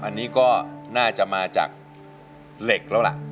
อันนี้ก็น่าจะมาจากเหล็กแล้วล่ะ